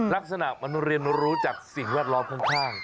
ลักษณะมันเรียนรู้จากสิ่งแวดล้อมข้าง